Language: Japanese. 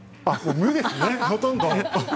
無ですね、ほとんど。